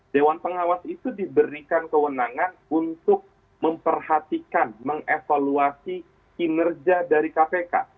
dewan pengawas itu diberikan kewenangan untuk memperhatikan mengevaluasi kinerja dari kpk